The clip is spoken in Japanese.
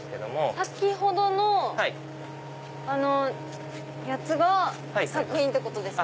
先ほどのやつが作品ってことですか？